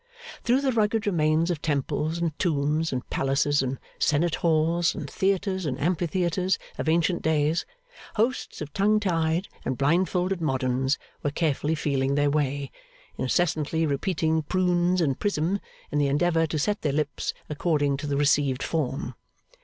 Through the rugged remains of temples and tombs and palaces and senate halls and theatres and amphitheatres of ancient days, hosts of tongue tied and blindfolded moderns were carefully feeling their way, incessantly repeating Prunes and Prism in the endeavour to set their lips according to the received form.